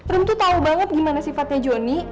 ren tuh tahu banget gimana sifatnya jody